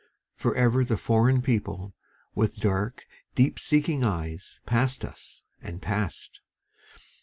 Forever the foreign people with dark, deep seeing eyes Passed us and passed.